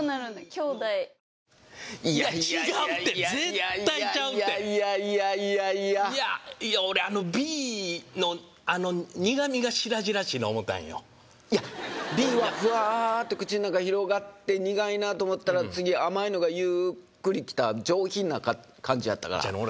兄弟いや違うって絶対ちゃうていやいやいやいやいやいやいや俺Ｂのあの苦味が白々しいな思たんよいやＢはふわーって口の中広がって苦いなと思ったら次甘いのがゆーっくり来た上品な感じやったからちゃうねん